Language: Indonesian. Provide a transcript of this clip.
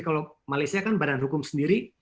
kalau malaysia kan badan hukum sendiri